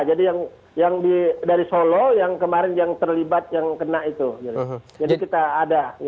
jadi yang dari solo yang kemarin yang terlibat yang kena itu jadi kita ada